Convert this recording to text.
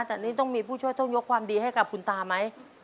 แต่นี่ต้องมีผู้ช่วยต้องยกความดีให้กับคุณตาไหม